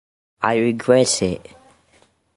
I regret it!